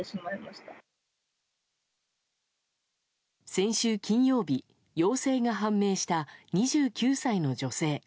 先週金曜日陽性が判明した２９歳の女性。